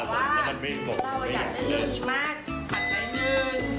ทำไมมันต้องเปื่อยตายแถวนี้มันร้อนเหรอคะ